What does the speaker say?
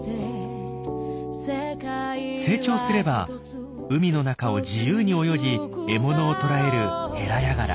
成長すれば海の中を自由に泳ぎ獲物を捕らえるヘラヤガラ。